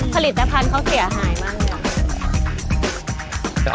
ผลิตภัณฑ์เขาเสียหายมากเลยค่ะ